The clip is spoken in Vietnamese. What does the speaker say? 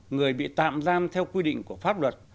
người bị tạm giam theo quy định của pháp luật